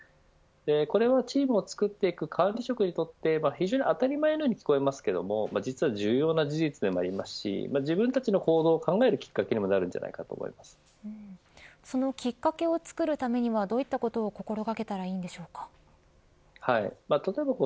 これは、チームをつくっていく管理職にとって非常に当たり前のように聞こえますけど、実は重要な事実でもありますし自分たちの行動を考えるきっかけにもそのきっかけを作るためにはどういったことを心掛けたらいいんでしょうか。